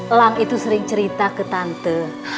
elang itu sering cerita ke tante